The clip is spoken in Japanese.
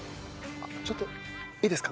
ちょっといいですか？